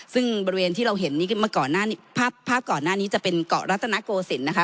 ซึ่งบริเวณที่เราเห็นภาพเกาะหน้านี้จะเป็นเกาะรัฐนโกสินนะคะ